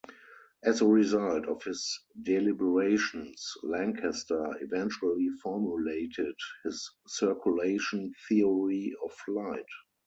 As a result of his deliberations, Lanchester, eventually formulated his circulation theory of flight.